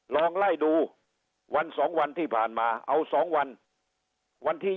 ลองไล่ดูวัน๒วันที่ผ่านมาเอา๒วันวันที่๒